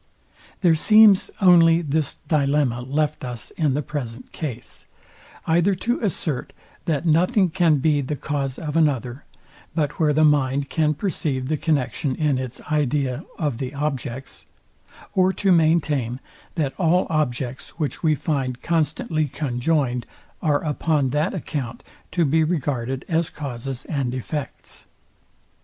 Part III. Sect. 15. There seems only this dilemma left us in the present case; either to assert, that nothing can be the cause of another, but where the mind can perceive the connexion in its idea of the objects: Or to maintain, that all objects, which we find constantly conjoined, are upon that account to be regarded as causes and effects.